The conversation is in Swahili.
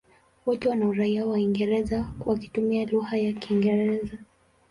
Wote wana uraia wa Uingereza wakitumia lugha ya Kiingereza.